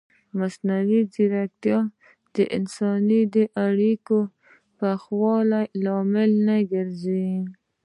ایا مصنوعي ځیرکتیا د انساني اړیکو یخوالي لامل نه ګرځي؟